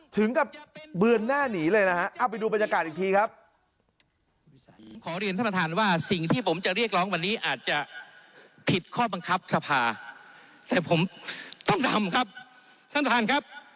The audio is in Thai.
ถึงกับเบือนหน้าหนีเลยนะฮะเอาไปดูบรรยากาศอีกทีครับ